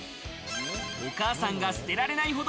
お母さんが捨てられないほど